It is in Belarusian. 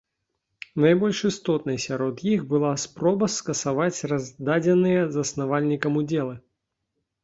Найбольш істотнай сярод іх была спроба скасаваць раздадзеныя заснавальнікам удзелы.